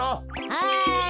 はい。